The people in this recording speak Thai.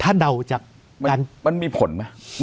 ถ้าเดาจากมันมีผลไหม